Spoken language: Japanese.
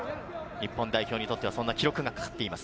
日本代表にとってはそんな記録がかかっています。